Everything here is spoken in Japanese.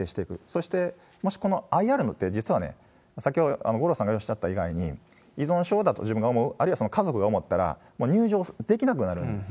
そして、もしこのＩＲって、実はね、先ほど五郎さんがおっしゃった以外に、依存症だと自分が思う、あるいはその家族が思ったら、もう入場できなくなるんです。